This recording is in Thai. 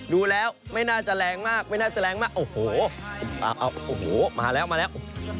ดูแล้วไม่น่าจะแรงมากไม่น่าจะแรงมากโอ้โหมาแล้วมาแล้ว